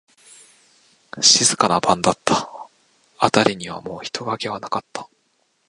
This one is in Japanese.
静かな晩だった。あたりにはもう人影はなかった。